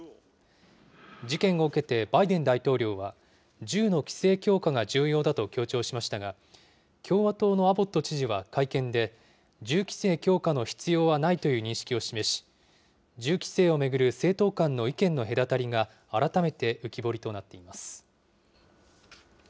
事件を受けて、バイデン大統領は銃の規制強化が重要だと強調しましたが、共和党のアボット知事は会見で、銃規制強化の必要はないという認識を示し、銃規制を巡る政党間の意見の隔たりが改めて浮き彫りとなっています。